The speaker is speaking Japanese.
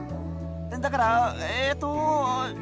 だからえっと。